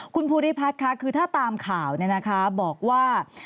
คุณภูริพัฒน์ค่ะคือถ้าตามข่าวบอกว่า